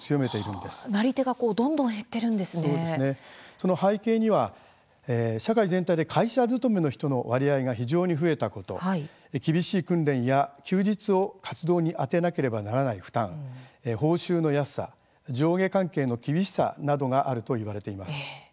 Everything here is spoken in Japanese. その背景には社会全体で会社勤めの人の割合が非常に増えたこと厳しい訓練や、休日を活動に充てなければならない負担報酬の安さ、上下関係の厳しさなどがあるといわれています。